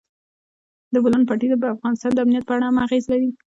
د بولان پټي د افغانستان د امنیت په اړه هم اغېز لري.